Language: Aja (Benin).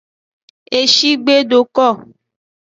Eshi gbe do ko.